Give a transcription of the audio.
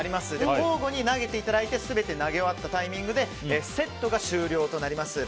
交互に投げていただいて全て投げ終わったタイミングでセットが終了となります。